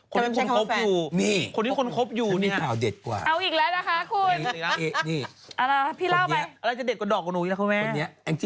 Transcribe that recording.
คนที่คุณคบอยู่คนที่คุณคบอยู่นี่นะ